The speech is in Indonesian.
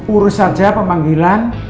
urus aja pemanggilan